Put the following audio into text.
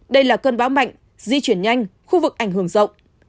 đây là cơn bão mạnh di chuyển nhanh khu vực ảnh hưởng rộng